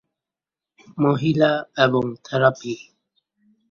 মহিলা এবং থেরাপি।